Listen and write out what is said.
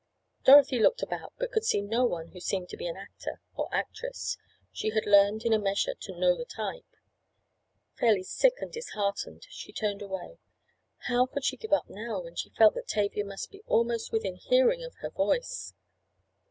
Dorothy looked about but could see no one who seemed to be an actor or actress. She had learned in a measure to know the type. Fairly sick and disheartened she turned away. How could she give up now, when she felt that Tavia must be almost within hearing of her voice?